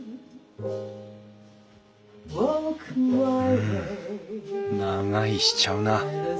うん長居しちゃうな。